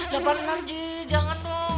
dapet aneh aneh ji jangan dong